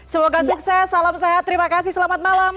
semoga sukses salam sehat terima kasih selamat malam